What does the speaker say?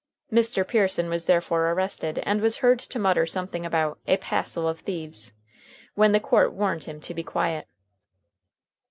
Mr. Pearson was therefore arrested, and was heard to mutter something about a "passel of thieves," when the court warned him to be quiet.